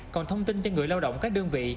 còn thông tin cho người lao động các đơn vị